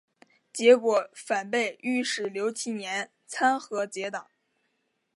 结果反被御史刘其年参劾结党。